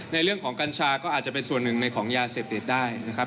ในเรื่องของกัญชาก็อาจจะเป็นส่วนหนึ่งในของยาเสพติดได้นะครับ